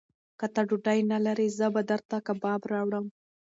که ته ډوډۍ نه لرې، زه به درته کباب راوړم.